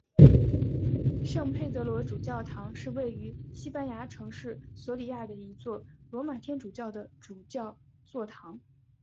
圣佩德罗主教座堂是位于西班牙城市索里亚的一座罗马天主教的主教座堂。